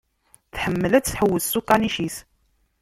Tḥemmel ad tḥewwes s ukanic-is.